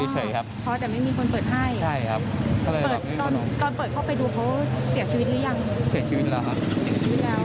เสียชีวิตแล้วครับเสียชีวิตแล้ว